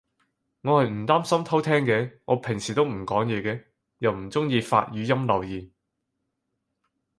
我係唔擔心偷聼嘅，我平時都唔講嘢嘅。又唔中意發語音留言